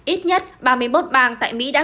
ít nhất ba mươi một bang tại mỹ đã